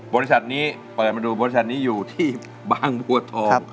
บริษัทนี้เปิดมาดูบริษัทนี้อยู่ที่บางบัวทอง